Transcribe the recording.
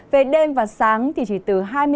về đêm và sáng thì chỉ từ hai mươi năm